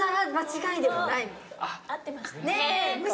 合ってましたね。